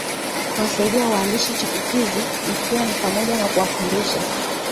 Kuwasaidia waandishi chipukizi ikiwa ni pamoja na kuwafundisha